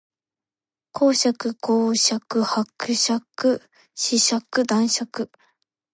公爵侯爵伯爵子爵男爵